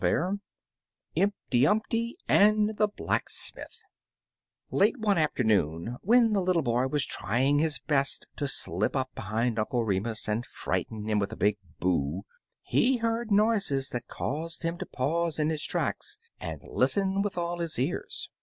IMPTY UMPTY AND THE BLACKSMITH LATE one afternoon, when the little boy was trying his best to slip up behind Uncle Remus and frighten him with a big ''Bool'' he heard noises that caused him to pause in his tracks and lis ten with all his ears.